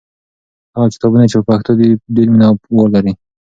هغه کتابونه چې په پښتو دي ډېر مینه وال لري.